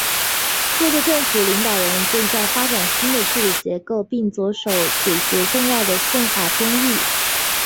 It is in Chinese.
过渡政府领导人正在发展新的治理结构并着手解决重要的宪法争议。